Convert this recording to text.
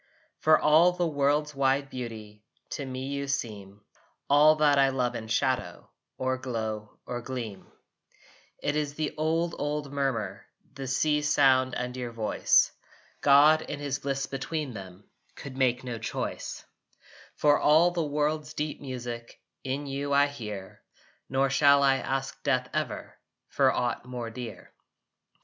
For all the world's wide beauty To me you seem, All that I love in shadow Or glow or gleam. It is the old old murmur, The sea's sound and your voice. God in his Bliss between them Could make no choice. For all the world's deep music In you I hear: Nor shall I ask death, ever, For aught more dear.